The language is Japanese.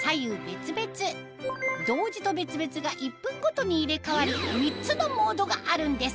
別々同時と別々が１分ごとに入れ替わる３つのモードがあるんです